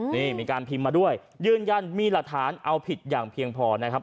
นี่มีการพิมพ์มาด้วยยืนยันมีหลักฐานเอาผิดอย่างเพียงพอนะครับ